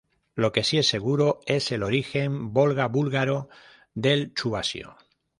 Lo que sí es seguro es el origen volga-búlgaro del chuvasio.